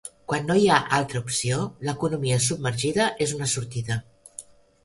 Quan no hi ha altra opció, l'economia submergida és una sortida.